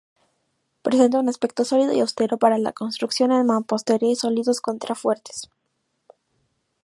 Presenta un aspecto sólido y austero para la construcción en mampostería y sólidos contrafuertes.